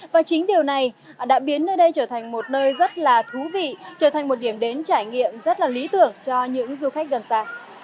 và chính điều này đã biến nơi đây trở thành một nơi rất là thú vị trở thành một điểm đến trải nghiệm rất là lý tưởng cho những du khách gần xa